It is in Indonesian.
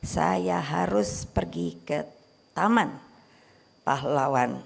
saya harus pergi ke taman pahlawan